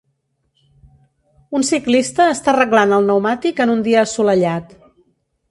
Un ciclista està arreglant el pneumàtic en un dia assolellat.